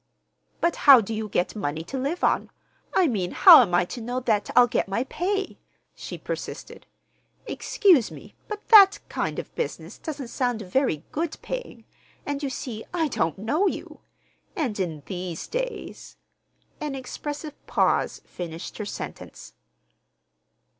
"But how do you get money to live on? I mean, how am I to know that I'll get my pay?" she persisted. "Excuse me, but that kind of business doesn't sound very good paying; and, you see, I don't know you. And in these days—" An expressive pause finished her sentence.